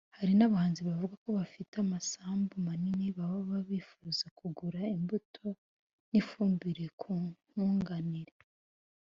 Hari n’abahinzi bavuga ko bafite amasambu manini baba bifuza kugura imbuto n’ifumbire kuri Nkunganire